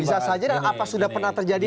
bisa saja dan apa sudah pernah terjadi